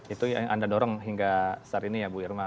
itu yang anda dorong hingga saat ini ya bu irma